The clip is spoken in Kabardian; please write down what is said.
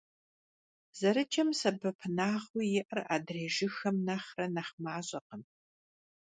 Зэрыджэм сэбэпынагъыу иӀэр адрей жыгхэм нэхърэ нэхъ мащӀэкъым.